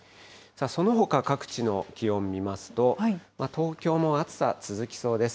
そのほか、各地の気温見ますと、東京も暑さ、続きそうです。